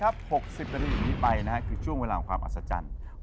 เอาละครับ๖๐นาทีวันอื่นไปนะช่วงเวลาความอัศจรรย์